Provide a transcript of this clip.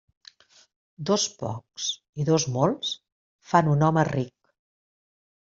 Dos pocs i dos molts fan un home ric.